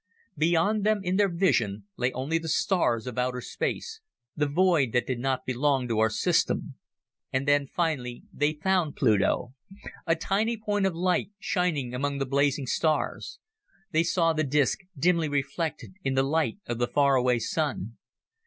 Beyond them, in their vision, lay only the stars of outer space, the void that did not belong to our system. And then, finally, they found Pluto a tiny point of light shining among the blazing stars. They saw the disc, dimly reflected in the light of the far away Sun.